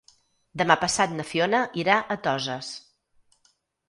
Demà passat na Fiona irà a Toses.